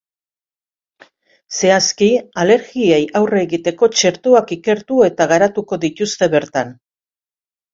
Zehazki, alergiei aurre egiteko txertoak ikertu eta garatuko dituzte bertan.